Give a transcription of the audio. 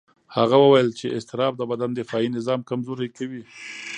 هغه وویل چې اضطراب د بدن دفاعي نظام کمزوري کوي.